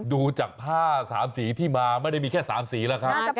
ดูจากผ้า๓สีที่มาไม่ได้มีแค่๓สีแล้วครับ